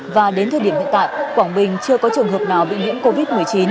và đến thời điểm hiện tại quảng bình chưa có trường hợp nào bị nhiễm covid một mươi chín